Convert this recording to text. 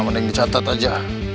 mending dicatat aja